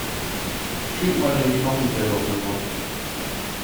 Schieb mal den Knochenteller rüber.